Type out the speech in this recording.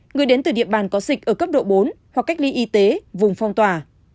người đến từ địa bàn có dịch ở cấp độ bốn hoặc cách ly y tế vùng phong tỏa